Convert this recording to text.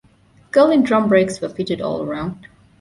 Girling drum brakes were fitted all round.